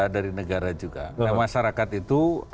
dari negara juga nah masyarakat itu